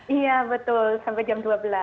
iya betul sampai jam dua belas